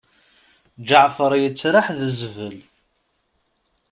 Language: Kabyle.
Ǧeɛfer yettraḥ d zbel.